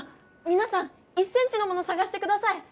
みなさん１ｃｍのものさがしてください！